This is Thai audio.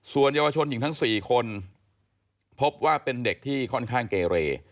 ส่วนเยาวชนหญิงทั้ง๔คนพบว่าเป็นเด็กที่ค่อนข้างเกเร